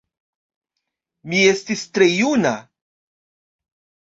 Mi estis tre juna.